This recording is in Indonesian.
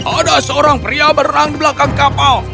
ada seorang pria berenang belakang kapal